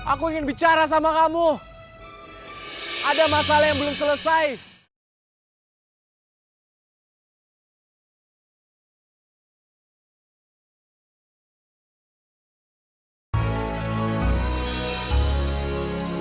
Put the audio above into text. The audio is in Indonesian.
aku tidak akan pergi dari tempat ini sebelum kamu menemui aku